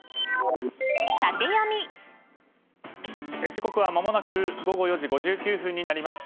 時刻はまもなく午後４時５９分になります。